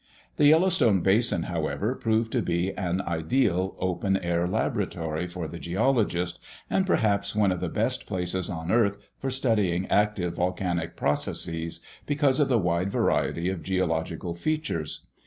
The Yellowstone Basin however, proved to be an ideal open air laboratory for the geologist, and perhaps one of the best places on earth for studying active volcanic processes because of the wide variety of geologic features.